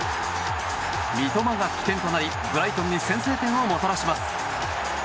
三笘が起点となり、ブライトンに先制点をもたらします。